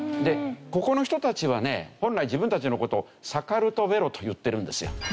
ここの人たちはね本来自分たちの事を「サカルトベロ」と言ってるんですよ。